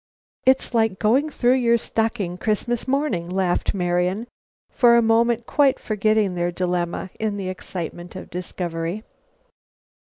"It's like going through your stocking Christmas morning!" laughed Marian, for the moment quite forgetting their dilemma in the excitement of discovery.